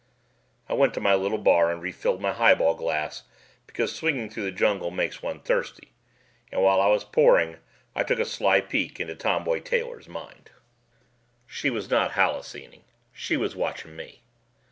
I went to my little bar and refilled my highball glass because swinging through the jungle makes one thirsty, and while I was pouring I took a sly peek into Tomboy Taylor's mind. She was not halluscening. She was watching me.